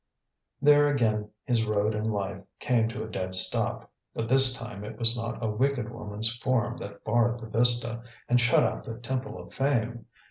There again his road in life came to a dead stop; but this time it was not a wicked woman's form that barred the vista, and shut out the Temple of Fame.